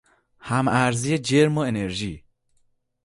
هم ارزی جرم و انرژی